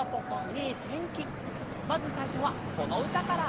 まずさいしょはこのうたから！